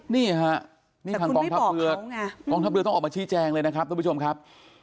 นี่ฮะนี่ทางกองทัพเรือกองทัพเรือต้องออกมาชี้แจงเลยนะครับทุกผู้ชมครับ